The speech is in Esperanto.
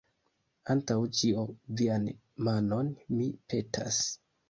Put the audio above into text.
Antaŭ ĉio, vian manon, mi, petas.